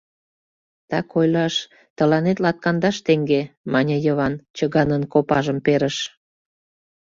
— Так ойлаш, тыланет латкандаш теҥге! — мане Йыван, чыганын копажым перыш.